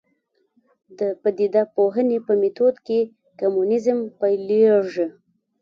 د پدیده پوهنې په میتود کې کمونیزم پیلېږي.